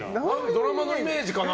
ドラマのイメージかな。